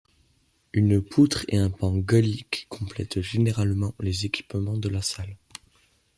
Une poutre et un pan Güllich complètent généralement les équipements de la salle.